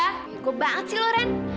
bego banget sih lo ren